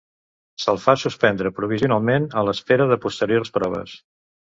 Se'l fa suspendre provisionalment a l'espera de posteriors proves.